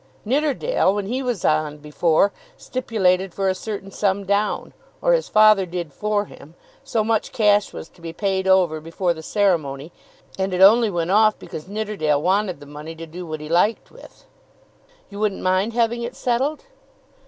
"Nidderdale, when he was on before, stipulated for a certain sum down; or his father did for him. So much cash was to be paid over before the ceremony, and it only went off because Nidderdale wanted the money to do what he liked with." "You wouldn't mind having it settled?"